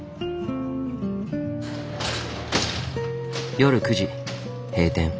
夜９時閉店。